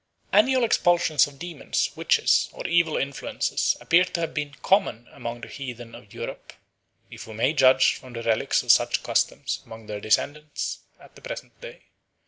Annual expulsions of demons, witches, or evil influences appear to have been common among the heathen of Europe, if we may judge from the relics of such customs among their descendants at the present day.